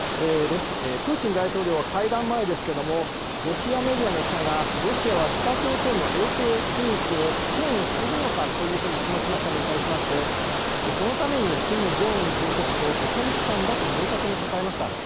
プーチン大統領は会談前ですけれども、ロシアメディアの記者が、ロシアは北朝鮮の衛星技術を支援するのかというふうに質問しましたのに対しまして、そのためにキム・ジョンウン総書記とここに来たんだと明確に答えました。